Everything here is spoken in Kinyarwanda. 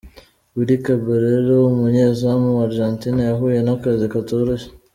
Willy Caballero umunyezamu wa Argentina yahuye n'akazi katoroshye .